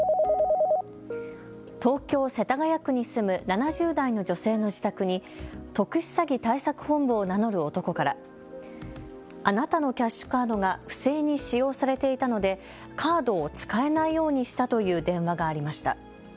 東京・世田谷区に住む７０代の女性の自宅に特殊詐欺対策本部を名乗る男からあなたのキャッシュカードが不正に使用されていたのでカードを使えないようにしたという電話がありました。